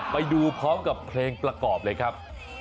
ไปดูพร้อมกับเพลงประกอบเลยครับ